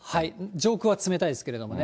上空は冷たいですけどね。